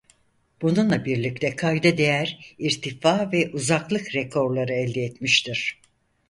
Bununla birlikte kayda değer irtifa ve uzaklık rekorları elde etmiştir.